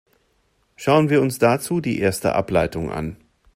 Schauen wir uns dazu die erste Ableitung an.